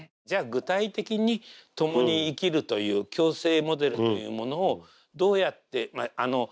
じゃ具体的にともに生きるという共生モデルというものをどうやって。